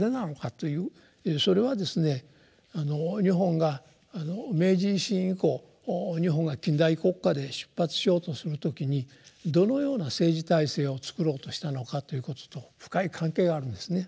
それはですね日本が明治維新以降日本が近代国家で出発しようとする時にどのような政治体制をつくろうとしたのかということと深い関係があるんですね。